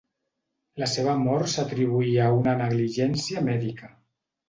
La seva mort s'atribuïa a una negligència mèdica.